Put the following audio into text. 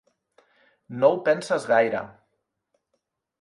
No ho penses gaire.